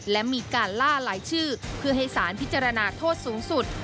และมีการล่าหลายชื่อเพื่อให้สารพิจารณาโทษสูงสุด